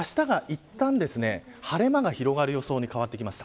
あしたはいったん、晴れ間が広がる予想に変わってきます。